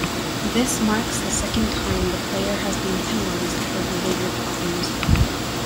This marks the second time the player has been penalised for behaivour problems.